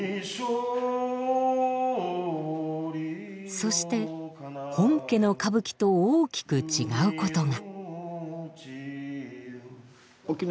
そして本家の歌舞伎と大きく違うことが。